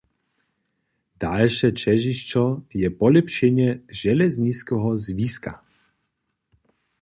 Dalše ćežisćo je polěpšenje železniskeho zwiska.